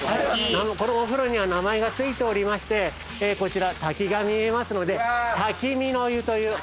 このお風呂には名前が付いておりましてこちら滝が見えますので滝見の湯という。